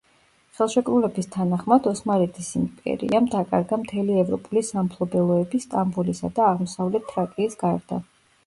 ხელშეკრულების თანახმად ოსმალეთის იმპერიამ დაკარგა მთელი ევროპული სამფლობელოები სტამბოლისა და აღმოსავლეთ თრაკიის გარდა.